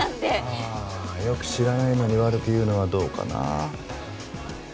あぁよく知らないのに悪く言うのはどうかな？